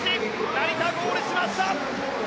成田、ゴールしました。